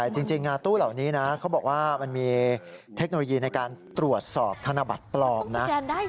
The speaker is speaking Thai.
จริงตู้เหล่านี้นะเขาบอกว่ามันมีเทคโนโลยีในการตรวจสอบธนบัตรปลอมนะ